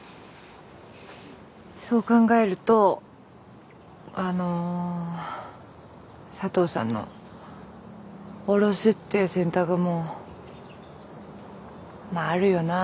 そう考えるとあの佐藤さんの堕ろすっていう選択もまああるよなって思いますよ。